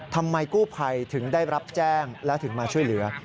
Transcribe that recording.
ทำไมกู้ภัยถึงได้รับแจ้งและถึงมาช่วยเหลือ